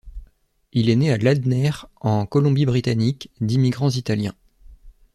Il est né à Ladner, en Colombie-Britannique , d'immigrants italiens.